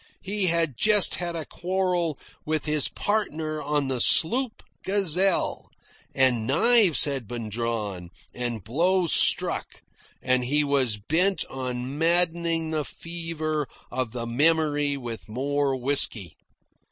He had just had a quarrel with his partner on the sloop Gazelle, and knives had been drawn, and blows struck, and he was bent on maddening the fever of the memory with more whisky.